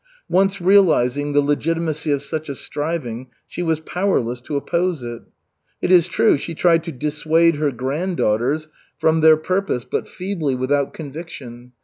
Once realizing the legitimacy of such a striving, she was powerless to oppose it. It is true, she tried to dissuade her granddaughters from their purpose, but feebly, without conviction.